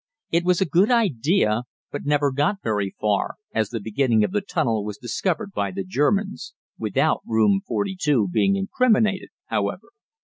It was a good idea, but never got very far, as the beginning of the tunnel was discovered by the Germans without Room 42 being incriminated, however.